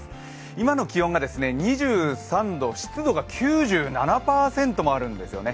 今の気温が２３度、湿度が９７％もあるんですよね。